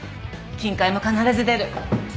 金塊も必ず出る。